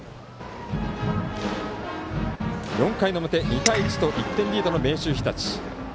４回表、２対１と１点リードの明秀日立。